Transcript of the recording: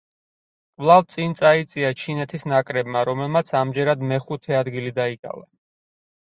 კვლავ წინ წაიწია ჩინეთის ნაკრებმა, რომელმაც ამჯერად მეხუთე ადგილი დაიკავა.